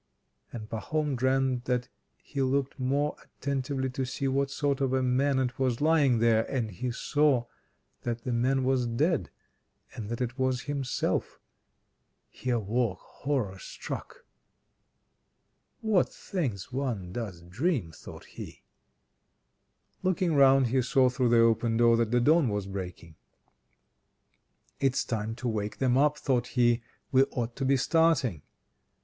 And Pahom dreamt that he looked more attentively to see what sort of a man it was lying there, and he saw that the man was dead, and that it was himself! He awoke horror struck. "What things one does dream," thought he. Looking round he saw through the open door that the dawn was breaking. "It's time to wake them up," thought he. "We ought to be starting."